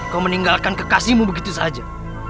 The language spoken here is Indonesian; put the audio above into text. kau meninggalkan kekasihmu begitu saja